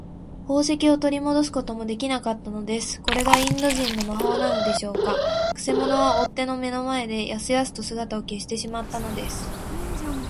宝石をとりもどすこともできなかったのです。これがインド人の魔法なのでしょうか。くせ者は追っ手の目の前で、やすやすと姿を消してしまったのです。